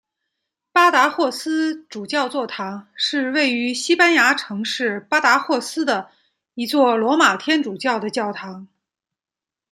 巴达霍斯主教座堂是位于西班牙城市巴达霍斯的一座罗马天主教的教堂。